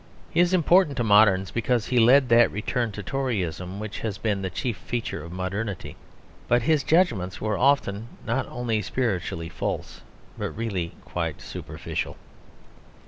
He is important to moderns because he led that return to Toryism which has been the chief feature of modernity, but his judgments were often not only spiritually false, but really quite superficial.